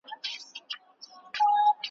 په پردیو که پاللی بیرغ غواړم `